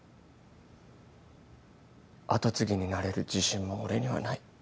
跡継ぎになれる自信も俺にはない。